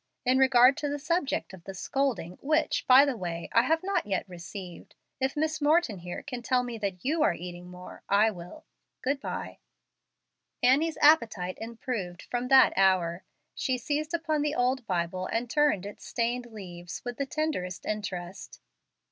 In regard to the subject of the 'scolding,' which, by the way, I have not yet received, if Miss Morton here can tell me that you are eating more, I will. Good by." Annie's appetite improved from that hour. She seized upon the old Bible and turned its stained leaves with the tenderest interest.